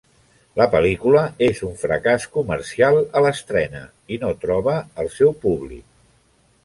La pel·lícula és un fracàs comercial a l'estrena i no troba el seu públic.